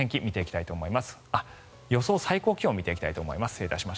予想最高気温を見ていきたいと思います。